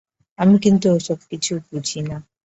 আমি কিন্তু ও-সব কিছু বুঝি না।